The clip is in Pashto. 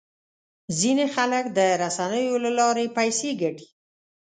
ځینې خلک د رسنیو له لارې پیسې ګټي.